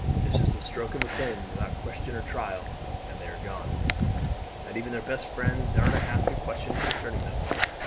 It's just a stroke of the pen, without question or trial, and they are gone, and even their best friends darena ask a question concerning them.